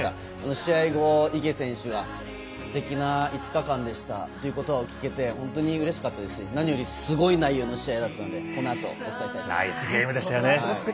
試合後、池選手がすてきな５日間でしたということを聞けて本当にうれしかったですし何よりすごい内容の試合だったのでこのあと、お伝えしたいとナイスゲームでしたよね。